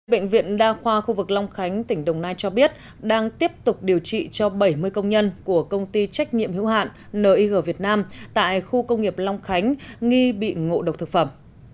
bệnh viện đa khoa khu vực long khánh tỉnh đồng nai cho biết đang tiếp tục điều trị cho bảy mươi công nhân của công ty trách nhiệm hữu hạn nir việt nam tại khu công nghiệp long khánh nghi bị ngộ độc thực phẩm